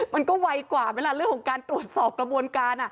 มันก็ไวกว่าเวลาเรื่องของการตรวจสอบกระบวนการ